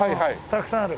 たくさんある。